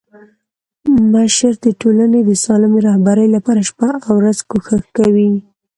مشر د ټولني د سالمي رهبري لپاره شپه او ورځ کوښښ کوي.